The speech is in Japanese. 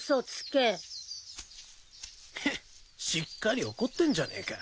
けっしっかり怒ってんじゃねえか。